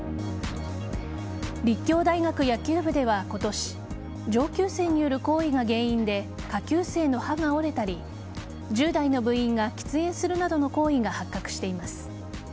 立教大学野球部では今年上級生による行為が原因で下級生の歯が折れたり１０代の部員が喫煙するなどの行為が発覚しています。